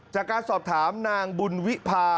จากการสอบถามนางบุญวิพา